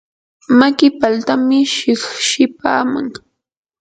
maki paltami shiqshipaaman.